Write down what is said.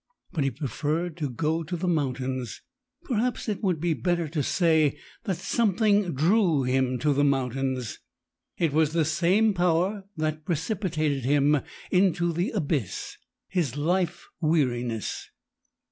But he preferred to go to the mountains. Perhaps it would be better to say that something drew him to the mountains. It was the same power that precipitated him into the abyss: his life weariness.